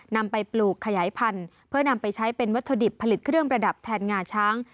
นำไปปลูกขยายพันธุ์เพื่อนำไปใช้เป็นวัตถุดิบผลิตเครื่องประดับแทนงาช้าง